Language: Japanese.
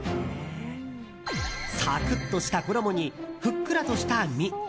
サクッとした衣にふっくらとした身。